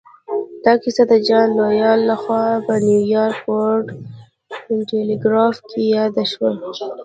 دا کیسه د جان لویل لهخوا په نیویارک ورلډ ټیليګراف کې یاده شوې